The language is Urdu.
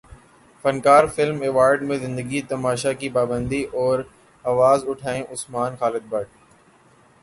فنکار فلم ایوارڈ میں زندگی تماشا کی پابندی پر اواز اٹھائیں عثمان خالد بٹ